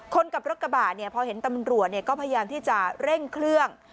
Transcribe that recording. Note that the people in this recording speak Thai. คนขับรถกระบะเนี่ยพอเห็นตำรวจก็พยายามที่จะเร่งเครื่อง